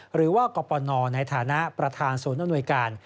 หรือว่ากปนในฐานะประธานศูนย์อำนวยการ